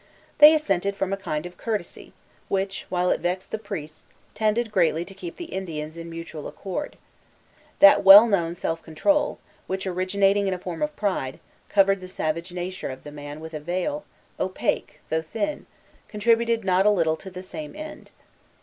They assented from a kind of courtesy, which, while it vexed the priests, tended greatly to keep the Indians in mutual accord. That well known self control, which, originating in a form of pride, covered the savage nature of the man with a veil, opaque, though thin, contributed not a little to the same end.